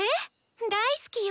大好きよ。